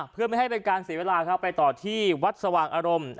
เพื่อไม่ให้เป็นการเสียเวลาครับไปต่อที่วัดสว่างอารมณ์